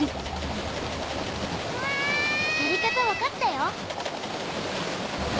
やり方分かったよ。